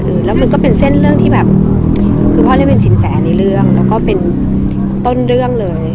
หรือแล้วมันก็เป็นเส้นเรื่องที่แบบคือพ่อเรียกเป็นสินแสในเรื่องแล้วก็เป็นต้นเรื่องเลย